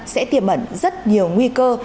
sẽ tiềm ẩn rất nhiều nguy cơ